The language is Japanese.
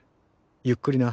ゆっくりな。